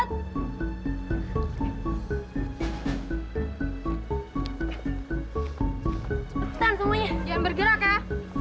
pesan semuanya jangan bergerak ya